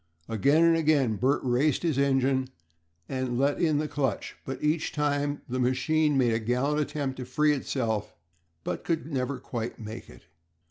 Again and again Bert raced his engine and let in the clutch, and each time the machine made a gallant attempt to free itself, but could never quite make it.